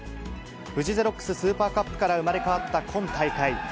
フジゼロックス・スーパーカップから生まれ変わった今大会。